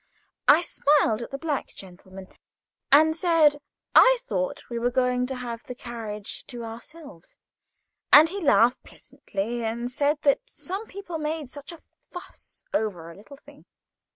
[Picture: Railway carriage] I smiled at the black gentleman, and said I thought we were going to have the carriage to ourselves; and he laughed pleasantly, and said that some people made such a fuss over a little thing.